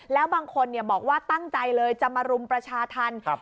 แล้วบางคนบอกว่าตั้งใจเลยจะมารุมประชาธรรม